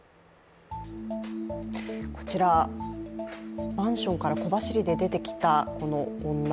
こちら、マンションから小走りで出てきたこの女。